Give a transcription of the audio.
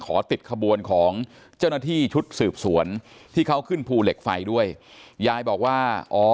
ติดขบวนของเจ้าหน้าที่ชุดสืบสวนที่เขาขึ้นภูเหล็กไฟด้วยยายบอกว่าอ๋อ